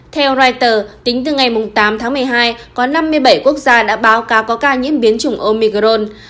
theo reuters tính từ ngày tám tháng một mươi hai có năm mươi bảy quốc gia đã báo cáo có ca nhiễm biến chủng omicron